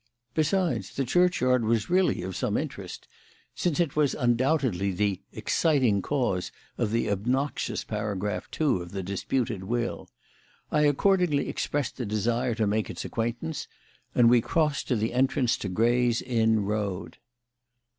Besides, the churchyard was really of some interest, since it was undoubtedly the "exciting cause" of the obnoxious paragraph two of the disputed will. I accordingly expressed a desire to make its acquaintance, and we crossed to the entrance to Gray's Inn Road.